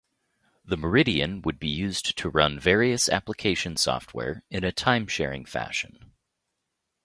The Meridian would be used to run various application software in a timesharing fashion.